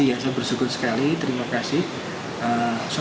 ya saya bersyukur sekali terima kasih